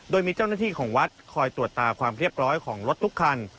โดยมีเจ้าหน้าที่ของวัดคอยตรวจตาความเรียบร้อยของรถทุกคัน